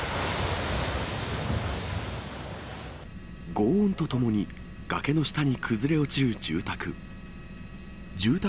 ごう音とともに、崖の下に崩れ落ちる住宅。